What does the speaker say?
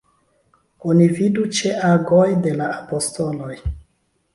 Oni vidu ĉe Agoj de la Apostoloj.